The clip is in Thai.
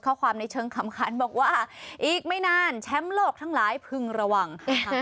ข้อความในเชิงขำขันบอกว่าอีกไม่นานแชมป์โลกทั้งหลายพึงระวัง